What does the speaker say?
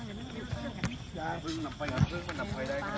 สวัสดีครับทุกคนขอบคุณครับทุกคน